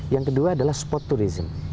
yang kedua adalah spot turism